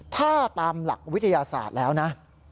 ถ้าตามหลักวิทยาศาสตร์แล้วนะ